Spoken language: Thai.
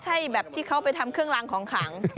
ใช่แบบที่เขาไปทำเครื่องรางของขัง